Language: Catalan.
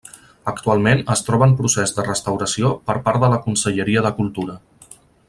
Actualment es troba en procés de restauració per part de la Conselleria de Cultura.